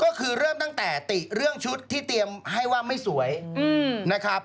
ก็คือเริ่มตั้งแต่ติเรื่องชุดที่เตรียมให้ว่าไม่สวยนะครับ